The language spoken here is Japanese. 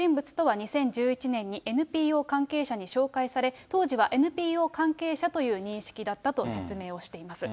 領収書の人物とは２０１１年にＮＰＯ関係者に紹介され、当時はＮＰＯ関係者という認識だったと説明をしています。